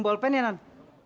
bolpen ya nan